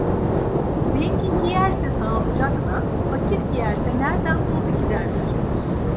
Zengin giyerse sağlıcakla, fakir giyerse nerden buldu ki derler.